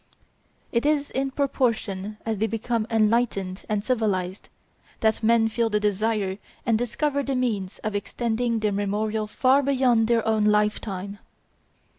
It is in proportion as they become enlightened and civilized, that men feel the desire and discover the means of extending their memorial far beyond their own lifetime.